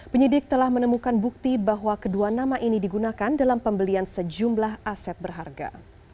penyidik telah menemukan bukti bahwa kedua nama ini digunakan dalam pembelian sejumlah aset berharga